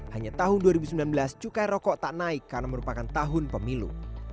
hanya tahun dua ribu sembilan belas cukai rokok tak naik karena merupakan tahun pemilu